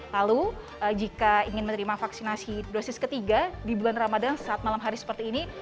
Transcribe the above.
lalu jika ingin menerima vaksinasi dosis ketiga di bulan ramadan saat malam hari seperti ini